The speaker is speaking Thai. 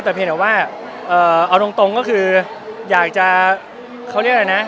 แต่เพียงแต่ว่าเอาตรงก็คืออยากจะเขาเรียกอะไรนะ